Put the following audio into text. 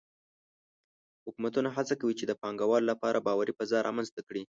حکومتونه هڅه کوي چې د پانګهوالو لپاره باوري فضا رامنځته کړي.